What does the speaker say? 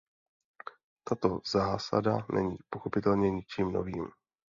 Tato zásada není pochopitelně ničím novým.